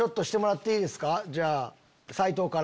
じゃあ斉藤から。